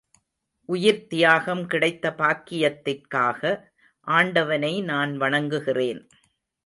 உயிர்த் தியாகம் கிடைத்த பாக்கியத்திற்காக ஆண்டவனை நான் வணங்குகிறேன்.